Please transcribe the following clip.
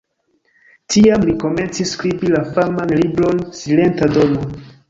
Tiam li komencis skribi la faman libron "Silenta Dono".